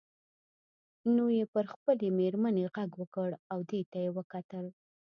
نو یې پر خپلې میرمنې غږ وکړ او دې ته یې وکتل.